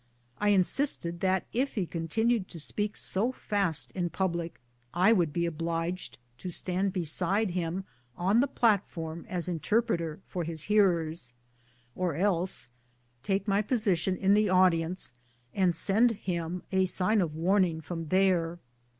I insisted, that if lie continued to speak so fast in public, I would be obliged to stand beside hira on the platform as interpreter for his hearers, or else take my position in the audience and send him a sign of warning from there.